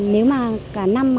nếu mà cả năm